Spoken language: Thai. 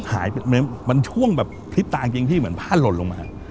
หายไปมันช่วงแบบพลิบตาจริงที่เหมือนผ้าหล่นลงมา